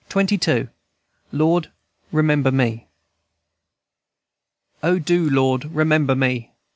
LORD, REMEMBER ME. "O do, Lord, remember me!